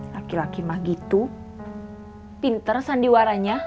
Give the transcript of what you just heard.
laki laki mah gitu pinter sandiwaranya